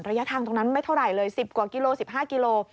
ระยะทางตรงนั้นไม่เท่าไหร่เลย๑๐กว่ากิโล๑๕กิโล